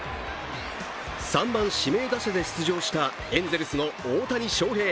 ３番・指名打者で出場したエンゼルスの大谷翔平。